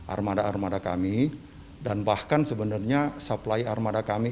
armada armada kami dan bahkan sebenarnya supply armada kami ini sudah menyiapkan armada armada kami